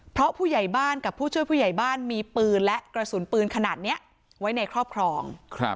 เพราะผู้ใหญ่บ้านกับผู้ช่วยผู้ใหญ่บ้านมีปืนและกระสุนปืนขนาดนี้ไว้ในครอบครอง